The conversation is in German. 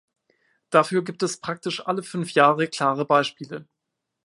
Dafür gibt es praktisch alle fünf Jahre klare Beispiele.